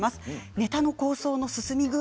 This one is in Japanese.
ネタの構想の進み具合